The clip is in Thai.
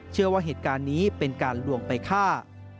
เชื่อว่าเหตุการณ์นี้เป็นการลวงไปฆ่า